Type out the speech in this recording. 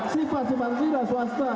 sifat sifat wira swastiak